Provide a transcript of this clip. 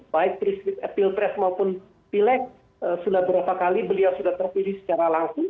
baik pilpres maupun pilek sudah berapa kali beliau sudah terpilih secara langsung